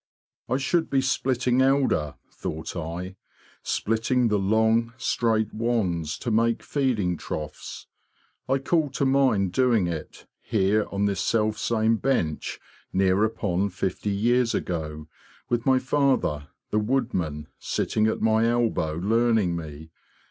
I should be splitting elder, thought I; splitting the long, straight wands to make feeding troughs. I called to mind doing it, here on this self same bench near upon fifty years ago, with my father, the woodman, sitting at my elbow learning me.